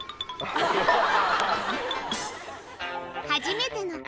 初めての影。